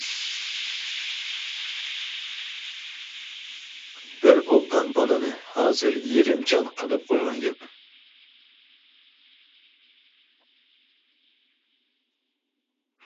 بىر ئوبدان بالىنى ھازىر يېرىم جان قىلىپ قويغان گەپ.